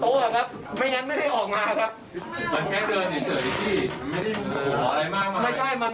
เงื่อยไขไม่ตรงกัน